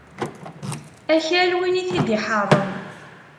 Akal win i t-id-iḥeṛṛen.